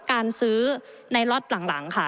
การซื้อนายวลดด์หลังค่ะ